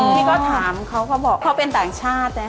พี่ก็ถามเขาก็บอกเขาเป็นต่างชาตินะ